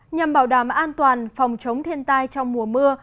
nhằm bảo đảm an toàn phòng chống thiên tai trong mùa mưa